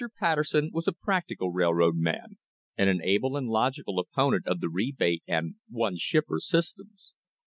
Patterson was a practical railroad man, and an able and logical opponent of the rebate and "one shipper" systems.